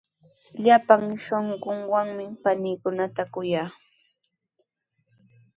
Llapan shunquuwanmi paniikunata kuyaa.